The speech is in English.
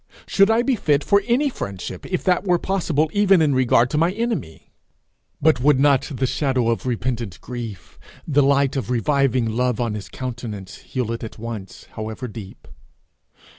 Should I be fit for any friendship if that were possible even in regard to my enemy? But would not the shadow of repentant grief, the light of reviving love on his countenance, heal it at once however deep?